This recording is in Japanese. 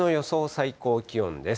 最高気温です。